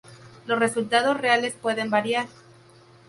Los resultados reales pueden variar.